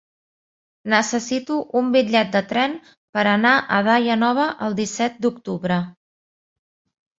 Necessito un bitllet de tren per anar a Daia Nova el disset d'octubre.